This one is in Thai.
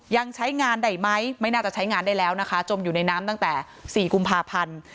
ยังใช้งานได้ไหมไม่น่าจะใช้งานได้แล้วนะคะจมอยู่ในน้ำตั้งแต่๔กุมภาพันธ์